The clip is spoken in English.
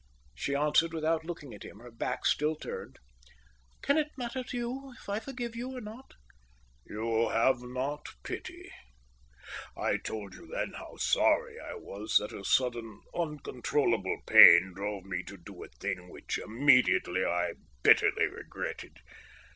She answered without looking at him, her back still turned. "Can it matter to you if I forgive or not?" "You have not pity. I told you then how sorry I was that a sudden uncontrollable pain drove me to do a thing which immediately I bitterly regretted.